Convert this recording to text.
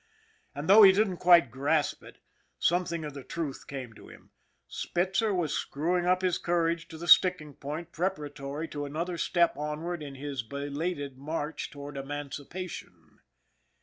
And though he didn't quite grasp it, something of the truth came to him. Spitzer was screwing up his courage to the sticking point preparatory to another step onward in his be lated march toward emancipation.